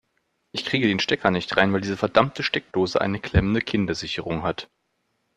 Ich kriege den Stecker nicht rein, weil diese verdammte Steckdose eine klemmende Kindersicherung hat.